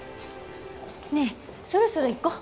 ねえそろそろ行こう。